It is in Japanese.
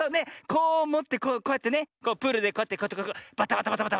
こうもってこうやってねプールでこうやってバタバタバタ。